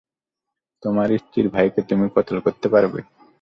তোমার স্ত্রীর ভাইকে তুমি কতল করতে পারবে?